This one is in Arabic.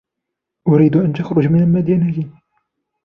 أريد أن تخرج من المدينة.